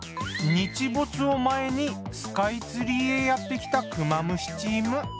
日没を前にスカイツリーへやってきたクマムシチーム。